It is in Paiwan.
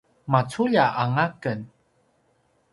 maculja anga ken